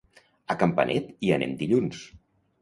A Campanet hi anem dilluns.